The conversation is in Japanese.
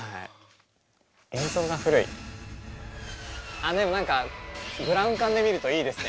ああでも何かブラウン管で見るといいですね。